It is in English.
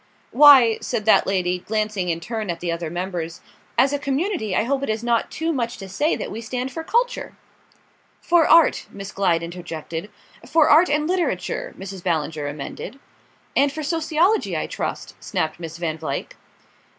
"Why," said that lady, glancing in turn at the other members, "as a community I hope it is not too much to say that we stand for culture." "For art " Miss Glyde interjected. "For art and literature," Mrs. Ballinger emended. "And for sociology, I trust," snapped Miss Van Vluyck.